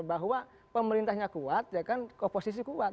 bahwa pemerintahnya kuat oposisi kuat